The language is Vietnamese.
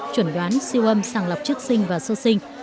chuẩn đoán siêu âm sàng lọc chức sinh và sơ sinh